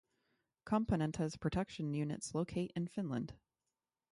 Componenta’s production units locate in Finland.